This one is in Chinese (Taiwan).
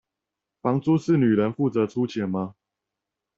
房租是女人負責出錢嗎？